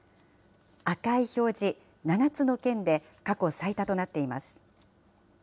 赤い表示、７つの県で、過去最多となっています。